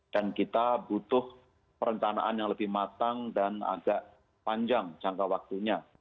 dan kita butuh perencanaan yang lebih matang dan agak panjang jangka waktunya